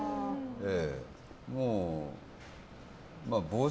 ええ。